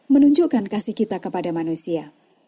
menunjukkan kasih kita kepada manusia